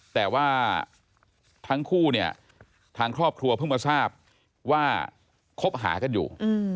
แต่ว่าทั้งคู่เนี่ยทางครอบครัวเพิ่งมาทราบว่าคบหากันอยู่